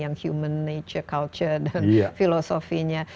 yang human nature culture dan filosofinya